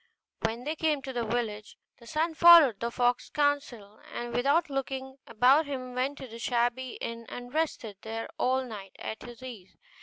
When they came to the village, the son followed the fox's counsel, and without looking about him went to the shabby inn and rested there all night at his ease.